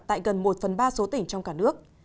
tại gần một phần ba số tỉnh trong cả nước